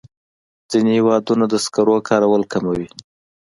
ځینې هېوادونه د سکرو کارول کموي.